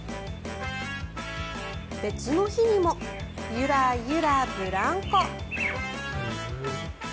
別の日にも、ゆらゆらブランコ。